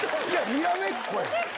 にらめっこやん。